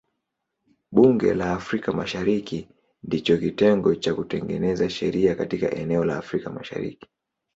Bunge la Afrika Mashariki ndicho kitengo cha kutengeneza sheria katika eneo la Afrika Mashariki.